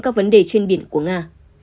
các vấn đề trên biển của nga